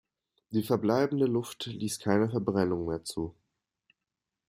Die verbleibende Luft ließ keine Verbrennung mehr zu.